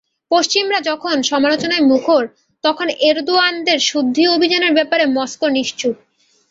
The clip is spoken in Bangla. পশ্চিমারা যখন সমালোচনায় মুখর, তখন এরদোয়ানের শুদ্ধি অভিযানের ব্যাপারে মস্কো নিশ্চুপ।